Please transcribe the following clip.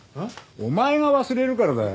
お前が忘れるからだよ！